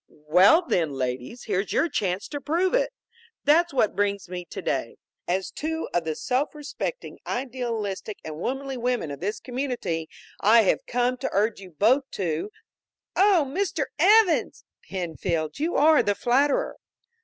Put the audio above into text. "Well, then, ladies, here's your chance to prove it! That's what brings me today. As two of the self respecting, idealistic and womanly women of this community, I have come to urge you both to " "Oh, Mr. Evans!" "Penfield, you are the flatterer!"